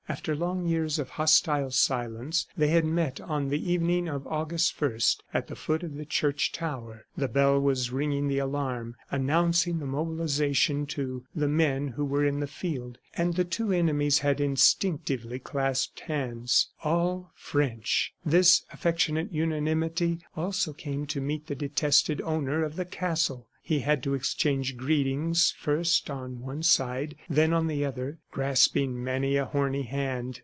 After long years of hostile silence they had met on the evening of August first at the foot of the church tower. The bell was ringing the alarm, announcing the mobilization to the men who were in the field and the two enemies had instinctively clasped hands. All French! This affectionate unanimity also came to meet the detested owner of the castle. He had to exchange greetings first on one side, then on the other, grasping many a horny hand.